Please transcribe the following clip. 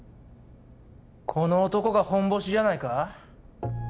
この男が本ボシじゃないか？